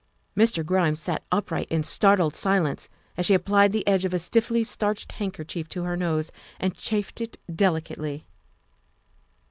Mr. Grimes sat upright in startled silence as she applied the edge of a stiffly starched handkerchief to her nose and chafed it delicately.